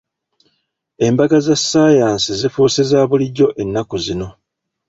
Embaga za ssaayansi zifuuse za bulijjo ennaku zino.